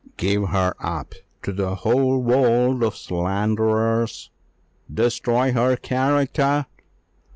"Give her up to the whole world of slanderers! destroy her character!